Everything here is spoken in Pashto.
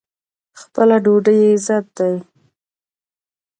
خپله ډوډۍ عزت دی.